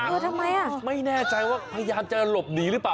เออทำไมอ่ะไม่แน่ใจว่าพยายามจะหลบหนีหรือเปล่า